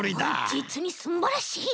じつにすんばらしい。